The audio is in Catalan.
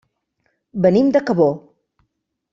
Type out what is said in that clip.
Venim de Cabó.